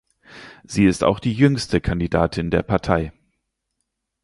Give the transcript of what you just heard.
Sie ist auch die jüngste Kandidatin der Partei.